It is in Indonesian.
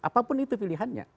apapun itu pilihannya